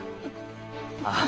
ああ。